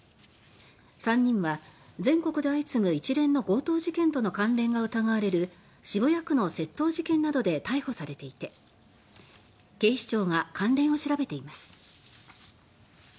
３人は全国で相次ぐ一連の強盗事件との関連が疑われる渋谷区の窃盗事件などで逮捕されていて警視庁が関連を調べています。